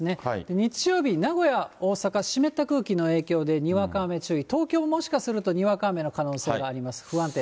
日曜日、名古屋、大阪、湿った空気の影響でにわか雨注意、東京ももしかすると、にわか雨の可能性があります。